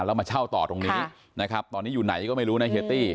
แล้วมาเช่าต่อตรงนี้นะครับตอนนี้อยู่ไหนก็ไม่รู้นะเฮียตี้